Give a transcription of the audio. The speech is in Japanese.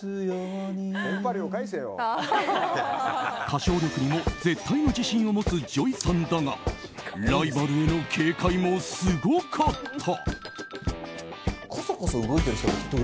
歌唱力にも絶対の自信を持つＪＯＹさんだがライバルへの警戒もすごかった。